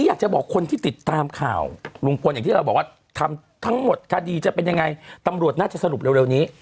อย่างที่เราบอกว่าทำทั้งหมดคดีจะเป็นยังไงตำรวจน่าจะสรุปเร็วนี้